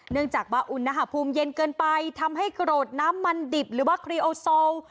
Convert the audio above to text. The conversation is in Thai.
เนื่องจากว่าอุณหภูมิเย็นเกินไปทำให้โกรธน้ำมันดิบหรือว่าครีโอซอล